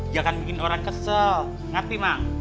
jangan bikin orang kesel ngerti mak